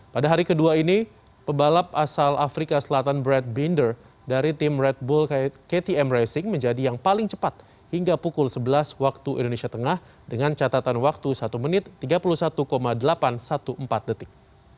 pada hari kedua ini pebalap asal afrika selatan brad binder dari tim red bull ktm racing menjadi yang paling cepat hingga pukul sebelas waktu indonesia tengah dengan catatan waktu satu menit tiga puluh satu delapan ratus empat belas detik